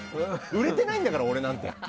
売れてないんだから、俺なんて。